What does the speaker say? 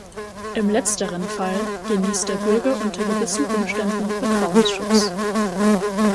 Im letzteren Fall genießt der Bürger unter gewissen Umständen Vertrauensschutz.